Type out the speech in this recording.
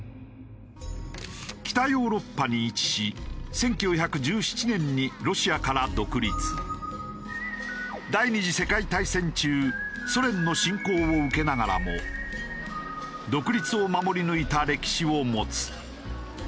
北ヨーロッパに位置し第２次世界大戦中ソ連の侵攻を受けながらも独立を守り抜いた歴史を持つ。